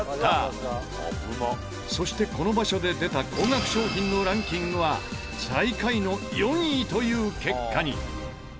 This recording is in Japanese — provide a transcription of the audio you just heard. そしてこの場所で出た高額商品のランキングは最下位の４位という結果に。